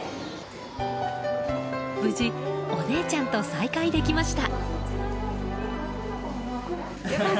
無事お姉ちゃんと再会できました。